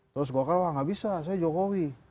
terus golkar wah gak bisa saya jokowi